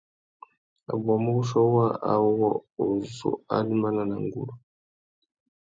A bwamú wuchiô waā awô, uzu arimbana na nguru.